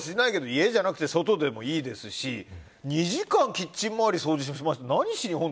家じゃなくて外でもいいですし、２時間キッチン回り掃除しますって何しに。